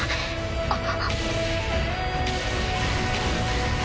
あっ。